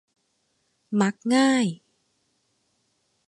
มักง่าย